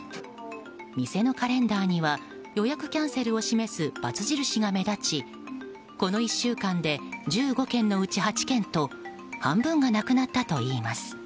店のカレンダーには予約キャンセルを示すバツ印が目立ちこの１週間で１５件のうち８件と半分がなくなったといいます。